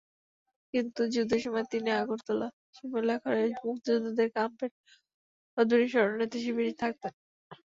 কিন্তু যুদ্ধের সময় তিনি আগরতলার মেলাঘরে মুক্তিযোদ্ধাদের ক্যাম্পের অদূরেই শরণার্থীশিবিরে থাকতেন।